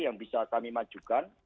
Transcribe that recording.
yang bisa kami majukan